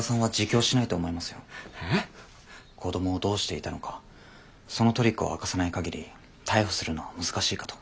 子供をどうしていたのかそのトリックを明かさない限り逮捕するのは難しいかと。